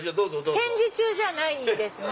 展示中じゃないんですね？